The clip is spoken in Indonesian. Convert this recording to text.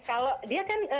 kalau dia kan